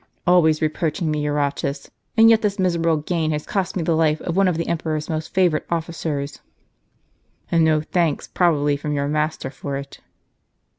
" Always reproaching me, Eurotas. And yet this misera ble gain has cost me the life of one of the emperor's most favorite officers." "And no thanks j^robably from your master for it."